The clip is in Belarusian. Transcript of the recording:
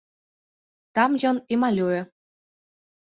Там ён і малюе.